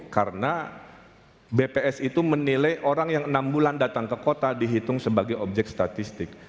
karena bps itu menilai orang yang enam bulan datang ke kota dihitung sebagai objek statistik